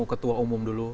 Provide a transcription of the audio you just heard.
ketua umum dulu